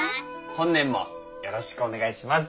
本年もよろしくお願いします。